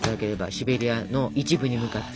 シベリアの一部に向かって。